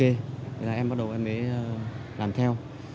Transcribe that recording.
thế là em bắt đầu em mới làm theo